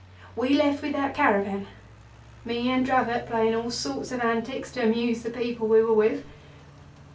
We left with that caravan, me and Dravot, playing all sorts of antics to amuse the people we were with.